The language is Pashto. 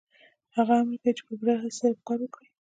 هغه امر کوي چې په پوره هڅې سره کار وکړئ